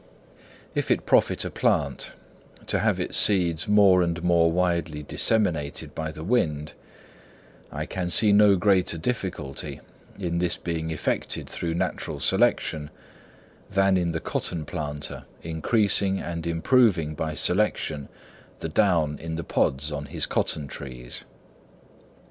If it profit a plant to have its seeds more and more widely disseminated by the wind, I can see no greater difficulty in this being effected through natural selection, than in the cotton planter increasing and improving by selection the down in the pods on his cotton trees.